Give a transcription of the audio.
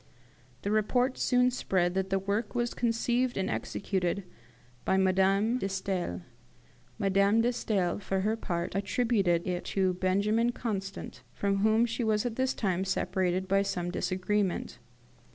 The report soon spread that the work was conceived and executed by Madame de Stael. Madame de Stael, for her part, attributed it to Benjamin Constant, from whom she was at this time separated by some disagreement.